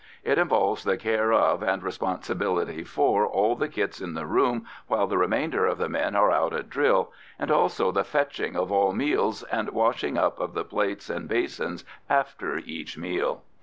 It involves the care of and responsibility for all the kits in the room while the remainder of the men are out at drill, and also the fetching of all meals and washing up of the plates and basins after each meal.